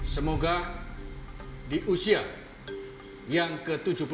semoga diusia lima tahun jawa timur akan menjadi ke tujuh puluh empat